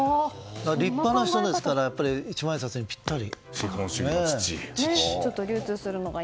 立派な人ですから一万円札にぴったり。